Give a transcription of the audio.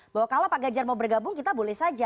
bahwa kalau pak ganjar mau bergabung kita boleh saja